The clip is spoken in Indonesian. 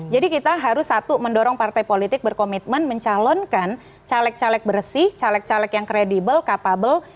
jadi kita harus satu mendorong partai politik berkomitmen mencalonkan caleg caleg bersih caleg caleg yang kredibel capable